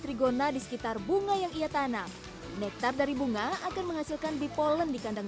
trigona di sekitar bunga yang ia tanam nektar dari bunga akan menghasilkan bipolen di kandang